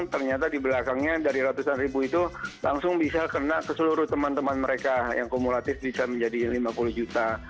ternyata di belakangnya dari ratusan ribu itu langsung bisa kena ke seluruh teman teman mereka yang kumulatif bisa menjadi lima puluh juta